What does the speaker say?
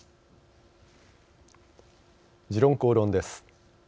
「時論公論」です。